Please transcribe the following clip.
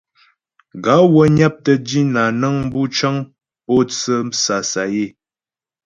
Gaə̂ wə́ nyaptə́ dínà nəŋ bu cəŋ mpótsə́ sasayə́.